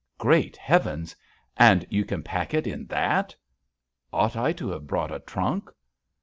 "Great heavens! And you can pack it in that?" "Ought I to have brought a trunk?"